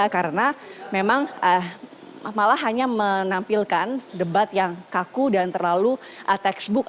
karena memang malah hanya menampilkan debat yang kaku dan terlalu textbook